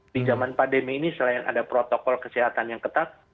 di zaman pandemi ini selain ada protokol kesehatan yang ketat